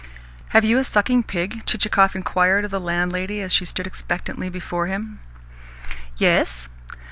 "Have you a sucking pig?" Chichikov inquired of the landlady as she stood expectantly before him. "Yes."